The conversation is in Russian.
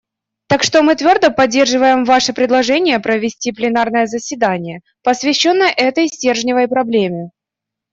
Так что мы твердо поддерживаем ваше предложение провести пленарное заседание, посвященное этой стержневой проблеме.